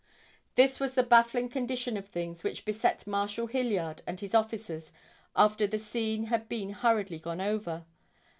This was the baffling condition of things which beset Marshal Hilliard and his officers after the scene had been hurriedly gone over.